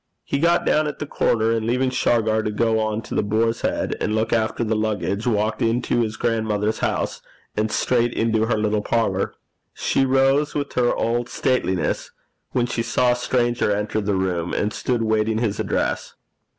He got down at the corner, and leaving Shargar to go on to The Boar's Head and look after the luggage, walked into his grandmother's house and straight into her little parlour. She rose with her old stateliness when she saw a stranger enter the room, and stood waiting his address.